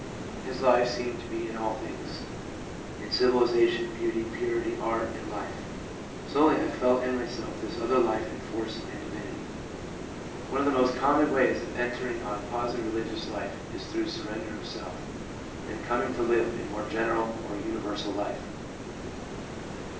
His life seemed to be in all things — in civilisation, beauty, purity, art and life. Slowly I felt in myself this other Life and Force and Divinity.' ADULT LIFE— PERIOD OF RECONSTRUCTION 289 One of the most common ways of entering on posi tive religious life is through surrender of self, and coming to live in more general or universal life.